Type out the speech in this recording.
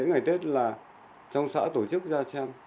ngày tết là trong xã tổ chức ra xem